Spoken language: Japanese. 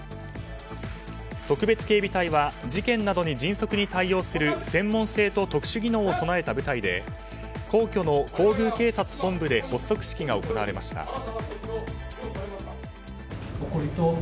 特別警備隊は事件などに迅速に対応する専門性と特殊技能を備えた部隊で皇居の皇宮警察本部で発足式が行われました。